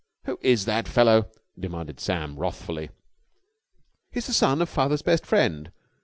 "Who is that fellow?" demanded Sam wrathfully. "He's the son of father's best friend."